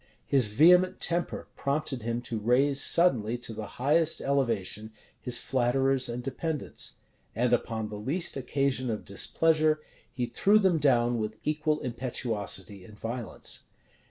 His vehement temper prompted him to raise suddenly, to the highest elevation, his flatterers and dependants; and upon the least occasion of displeasure, he threw them down with equal impetuosity and violence.